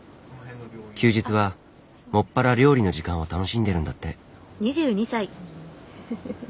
休日はもっぱら料理の時間を楽しんでるんだって。